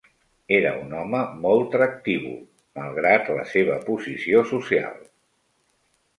Era un home molt tractívol, malgrat la seva posició social.